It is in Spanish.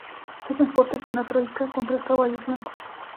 Su transporte es una troika, con tres caballos blancos.